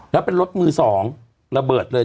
แล้วเป็นรถมือ๒ระเบิดเลย